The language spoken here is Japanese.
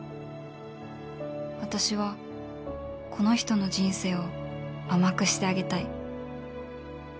私はこの人の人生を甘くしてあげたい